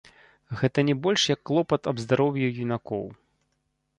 Гэта не больш як клопат аб здароўі юнакоў.